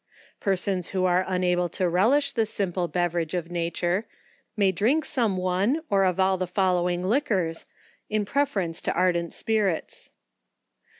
Persons who are unable to relish this simple beverage of nature, may drink some one, or of all the following li quors in preference to ardent spirits.